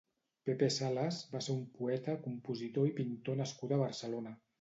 Pepe Sales va ser un poeta, compositor i pintor nascut a Barcelona.